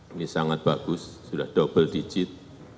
ini sangat bagus sudah double digit